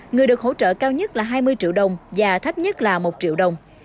người được hỗ trợ cao nhất là hai mươi triệu đồng và thấp nhất là một triệu đồng